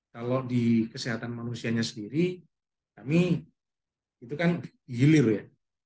kalau di kesehatan manusianya sendiri kami itu kan dihilir ya